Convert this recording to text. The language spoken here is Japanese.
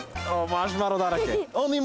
マシュマロだらけ。